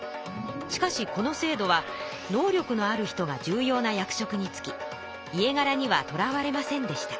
しかしこの制度は能力のある人が重要な役職につき家柄にはとらわれませんでした。